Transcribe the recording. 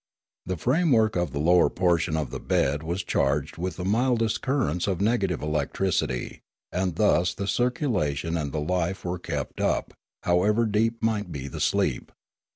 The framework of the lower portion of the bed was charged with the mildest currents of negative electricity, and thus the circulation and the life were kept up, however deep might be the sleep.